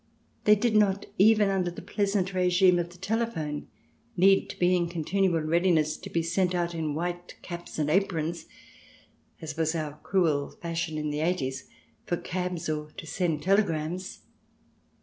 They did not, even under the pleasant regime of the telephone, need to be in continual readiness, to be sent out in white caps and aprons, as was our cruel fashion in the eighties, for cabs or to send telegrams.